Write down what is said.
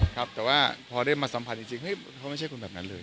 ครับแต่ว่าพอได้มาสัมผัสจริงเขาไม่ใช่คนแบบนั้นเลย